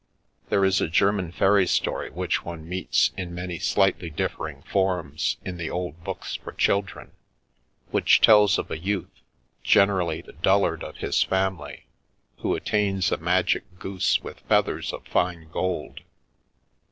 There is a German fairy story which one meet! many slightly differing forms in the old books for < dren, which tells of a youth — generally the dullarc his family — who attains a magic goose with featl of fine gold.